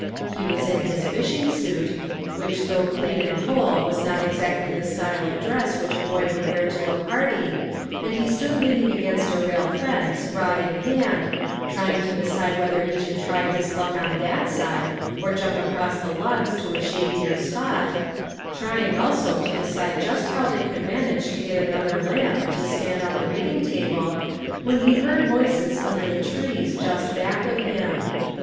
He was in his fishing suit, which though clean and whole was not exactly the style of dress which a boy would wear to a party, and he stood leaning against a rail fence, rod in hand, trying to decide whether he should try his luck on that side, or jump across the logs to a shadier spot ; trying also to decide just how they could manage to get an other lamp to stand on the reading table, when he heard voices under the trees just back of him.